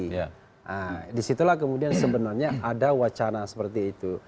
nah disitulah kemudian sebenarnya ada wacana seperti itu